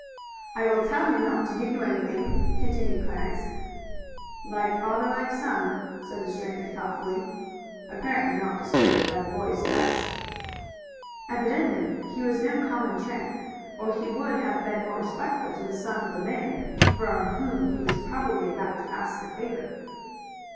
"I will tell him not to give you anything," continued Clarence. "Like father, like son," said the stranger thoughtfully, apparently not disturbed by the boy's threats. Evidently he was no common tramp, or he would have been more respectful to the son of the man from whom he was probably about to ask a favor.